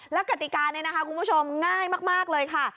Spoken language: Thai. แล้วกติกาเนี่ยนะคะคุณผู้ชมง่ายมากเลยค่ะ